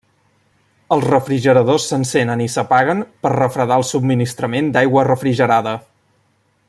Els refrigeradors s'encenen i s'apaguen per refredar el subministrament d'aigua refrigerada.